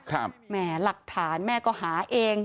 แหมหลักฐานแม่ก็หาเอง